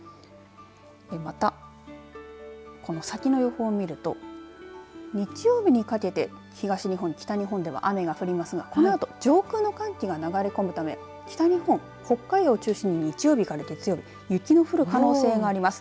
またこの先の予報を見ると日曜日にかけて東日本、北日本では雨が降りますが、このあと上空の寒気が流れ込むため北日本、北海道を中心に日曜日から月曜日雪の降る可能性があります。